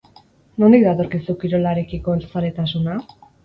Nondik datorkizu kirolarekiko zaletasuna?